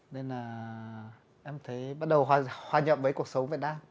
và em thấy bắt đầu hòa nhận với cuộc sống việt nam